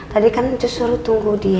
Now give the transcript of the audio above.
tadi kan anjus suruh tunggu di sana